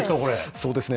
そうですね。